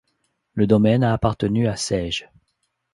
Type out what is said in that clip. Le domaine a appartenu à Saige.